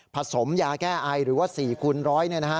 สมยาแก้ไอหรือว่า๔คูณร้อย